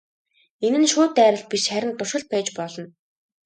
Энэ нь шууд дайралт биш харин туршилт байж болно.